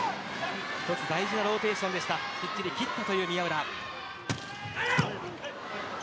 一つ大事なローテーションをきっちり切った宮浦。